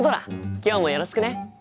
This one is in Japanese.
今日もよろしくね。